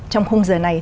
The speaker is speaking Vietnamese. trong khung giờ này